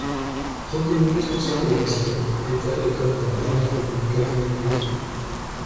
Reconnu responsable de l’accident, Vettel écope d’un drive-through quelques minutes plus tard.